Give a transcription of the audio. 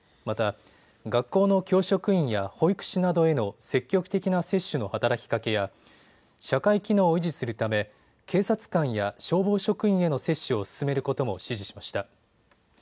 また学校の教職員や保育士などへの積極的な接種の働きかけや社会機能を維持するため警察官や消防職員への接種を進めることも指示しました。